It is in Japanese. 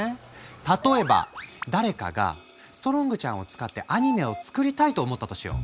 例えば誰かがストロングちゃんを使ってアニメを作りたいと思ったとしよう。